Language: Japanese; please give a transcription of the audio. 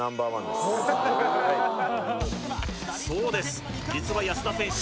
そうです実は安田選手